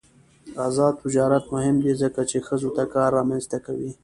آزاد تجارت مهم دی ځکه چې ښځو ته کار رامنځته کوي.